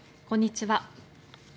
こんにちは。